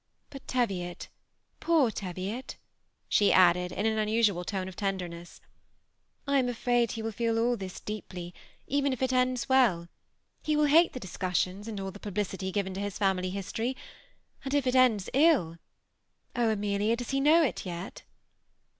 But Teviot, poor Teviot!" she added, in an unusual tone of tenderness, ^' I am afttdd he will feel all this deeply, even if it ends welL He will hate the discus sions and all the publicity given to his family history ; and if it ends ill ! Oh, Amelia, does he know it yet